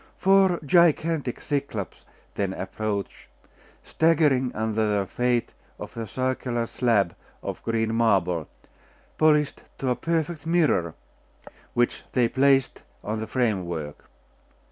Four gigantic Cyclops then approached, staggering under the weight of a circular slab of green marble, polished to a perfect mirror, which they placed on the framework.